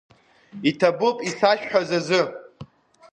Иҭабуп исашәҳәаз азы.